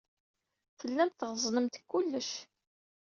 Tellamt tɣeẓnemt deg kullec.